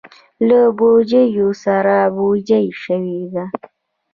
له بوجیو سره بوجۍ شوي دي.